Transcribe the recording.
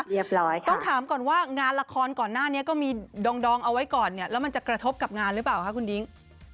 ต้องถามก่อนว่างานละครก่อนหน้านี้ก็มีดองเอาไว้ก่อนเนี่ยแล้วมันจะกระทบกับงานหรือเปล่าคะคุณดิ้ง